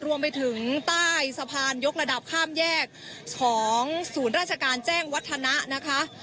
รวมไปถึงใต้สะพานยกระดับข้ามแยกของศูนย์ราชการแจ้งวัฒนะนะคะ